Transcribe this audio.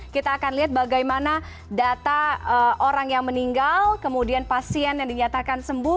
kita akan lihat bagaimana data orang yang meninggal kemudian pasien yang dinyatakan sembuh